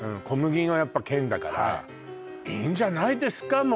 小麦のやっぱ県だからいいんじゃないですか